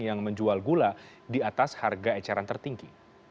yang menjual gula di atas harga eceran tertinggi